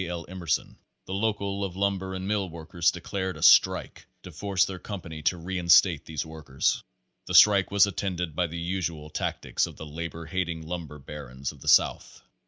L. Emerson, the local of Lumber and Mill Workers declared a strike to force their company to reinstate these workers. The strike was attended by the usual tactics of the labor hating lumber barons of the south.